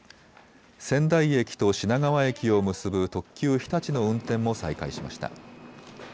仙台駅と品川駅を結ぶ特急ひたちの運転も再開しました。